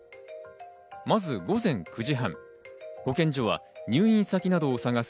まず午前９時３０分、保健所は入院先などを探す